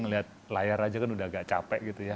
ngelihat layar aja kan udah agak capek gitu ya